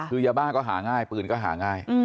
คือยาบ้าก็หาง่ายปืนก็หาง่าย